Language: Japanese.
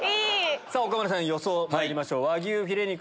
岡村さん予想まいりましょう。